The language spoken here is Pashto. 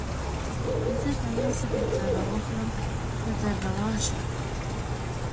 زه به یو څه درته راواخلم، ته در روان شه.